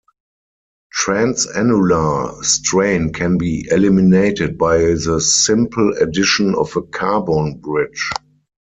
Transannular strain can be eliminated by the simple addition of a carbon bridge.